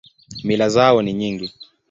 Mila zao ni nyingi.